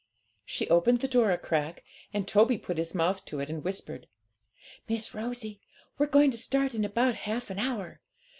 She opened the door a crack, and Toby put his mouth to it, and whispered 'Miss Rosie, we're going to start in about half an hour.